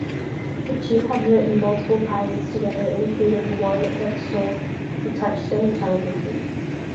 The two have written multiple pilots together including one that sold to Touchstone Television.